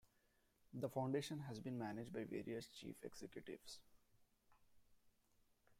The Foundation has been managed by various Chief Executives.